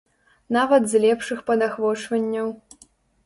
Нават з лепшых падахвочванняў.